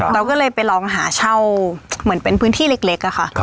เราก็เลยไปลองหาเช่าเหมือนเป็นพื้นที่เล็กอะค่ะ